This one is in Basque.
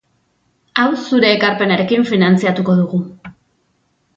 Hau zure ekarpenarekin finantzatuko dugu.